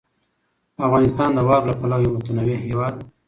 افغانستان د واورو له پلوه یو متنوع هېواد دی.